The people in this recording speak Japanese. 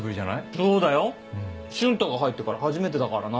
そうだよ瞬太が入ってから初めてだからな。